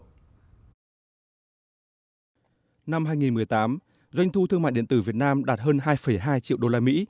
năm hai nghìn một mươi tám doanh thu thương mại điện tử việt nam đạt hơn hai hai triệu usd